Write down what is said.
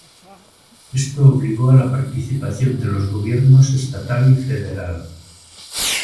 Esto obligó a la participación de los gobiernos Estatal y Federal.